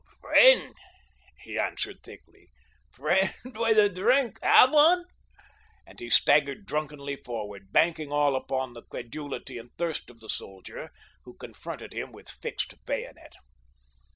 "Friend," he answered thickly. "Friend with a drink—have one?" And he staggered drunkenly forward, banking all upon the credulity and thirst of the soldier who confronted him with fixed bayonet.